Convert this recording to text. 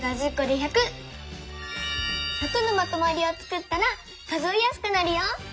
１００のまとまりをつくったら数えやすくなるよ！